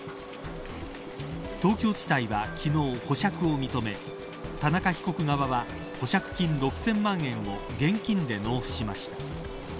東京地裁は昨日保釈を認め田中被告側は保釈金６０００万円を現金で納付しました。